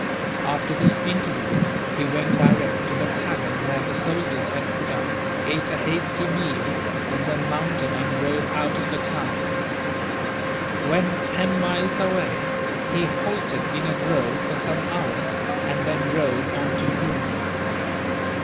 After this interview, he went direct to the tavern where the soldiers had put up, ate a hasty meal, and then mounted and rode out of the town. When ten miles away, he halted in a grove for some hours, and then rode on to Poona.